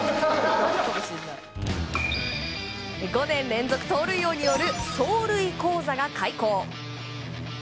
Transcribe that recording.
５年連続盗塁王による走塁講座が開講。